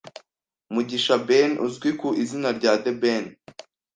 Mugisha Ben, uzwi ku izina rya The Ben